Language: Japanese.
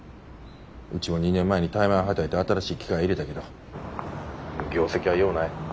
うちも２年前に大枚はたいて新しい機械入れたけど業績はようない。